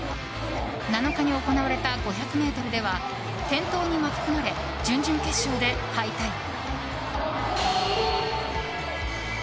７日に行われた５００ｍでは転倒に巻き込まれ準々決勝で敗退。